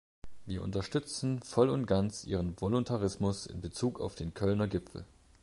Wir unterstützen voll und ganz Ihren Voluntarismus in bezug auf den Kölner Gipfel.